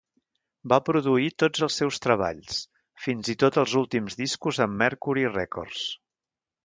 Va produir tots els seus treballs, fins i tot els últims discos amb Mercury Records.